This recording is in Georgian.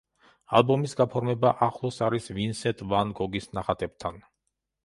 ალბომის გაფორმება ახლოს არის ვინსენტ ვან გოგის ნახატებთან.